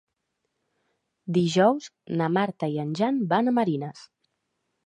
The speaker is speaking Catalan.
Dijous na Marta i en Jan van a Marines.